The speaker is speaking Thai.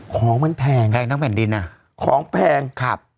ของมันแพงแพงทั้งแผ่นดินอ่ะของแพงครับ